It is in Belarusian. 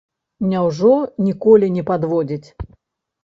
Няўжо ніколі не падводзіць?